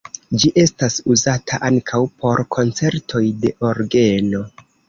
Ĝi estas uzata ankaŭ por koncertoj de orgeno.